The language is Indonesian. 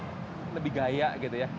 jadi apa ya lebih gaya gitu ya